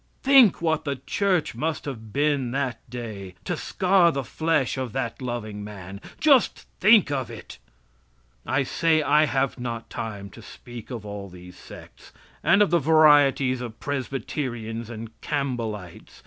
Think what the Church must have been that day to scar the flesh of that loving man! Just think of it! I say I have not time to speak of all these sects. And of the varieties of Presbyterians and Campbellites.